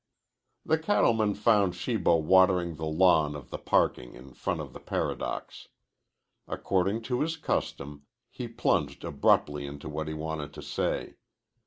The cattleman found Shibo watering the lawn of the parking in front of the Paradox. According to his custom, he plunged abruptly into what he wanted to say.